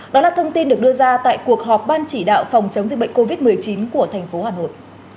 đó là thông tin được đưa ra tại cuộc họp ban chỉ đạo phòng chống dịch bệnh covid một mươi chín của thành phố hà nội